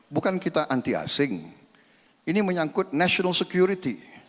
bukan kita anti asing ini menyangkut national security